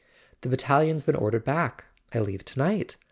"The battalion's been ordered back. I leave to¬ night.